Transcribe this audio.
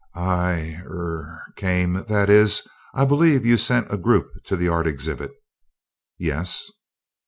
"I er came; that is, I believe you sent a group to the art exhibit?" "Yes."